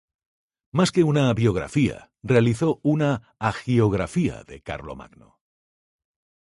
Más que una biografía, realizó una hagiografía de Carlomagno.